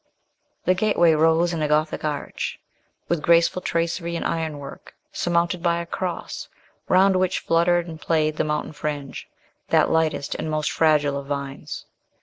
The gateway rose in a gothic arch, with graceful tracery in iron work, surmounted by a cross, round which fluttered and played the mountain fringe, that lightest and most fragile of vines.